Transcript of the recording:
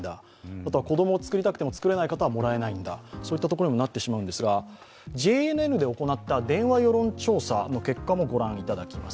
あとは、子供をつくりたくてもつくれない人はもらえないんだ、そういったところにもなってしまいますがＪＮＮで行った電話世論調査の結果もご覧いただきます。